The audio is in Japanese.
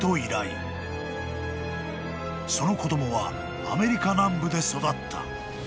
［その子供はアメリカ南部で育った］